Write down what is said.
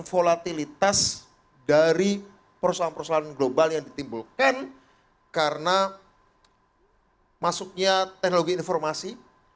volatilitas dari persoalan persoalan global yang ditimbulkan karena masuknya teknologi informasi